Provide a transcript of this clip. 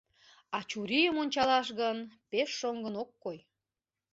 А чурийым ончалаш гын, пеш шоҥгын ок кой.